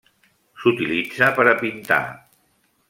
S'utilitza per a pintar.